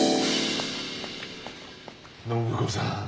暢子さん